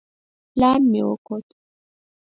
پلان مې وکوت.